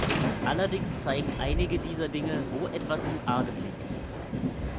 Allerdings zeigen einige dieser Dinge, wo etwas im Argen liegt.